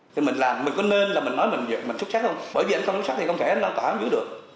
thì mình làm mình có nên là mình nói mình xuất sắc không bởi vì anh không xuất sắc thì không thể anh lo tỏa dưới được